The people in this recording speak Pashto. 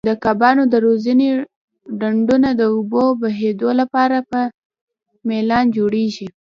د کبانو د روزنې ډنډونه د اوبو بهېدو لپاره په میلان جوړیږي.